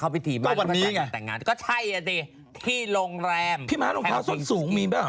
พี่ม้ารองเท้าสวนสูง